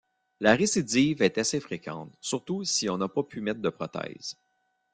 La récidive est assez fréquente, surtout si on n'a pas pu mettre de prothèse.